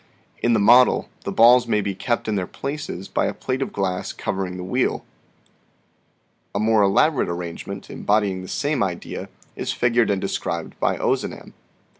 In the model, the balls may be kept in their places by a plate of glass covering the wheel." A more elaborate arrangement embodying the same idea is figured and described by Ozanam.